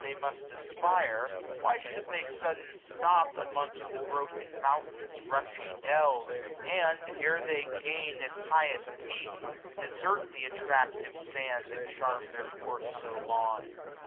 They must aspire ; why should they sudden stop 760 150 AUTUMN. Among the broken mountain's rushy dells, And, ere they gain its highest peak, desert Th' attractive sand that charm'd their course so long